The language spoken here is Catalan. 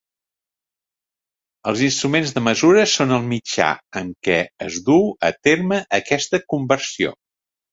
Els instruments de mesura són el mitjà amb què es duu a terme aquesta conversió.